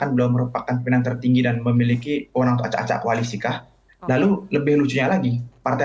bahwasannya beliau memiliki peran